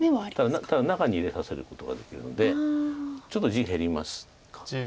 ただ中に入れさせることができるのでちょっと地減りますか。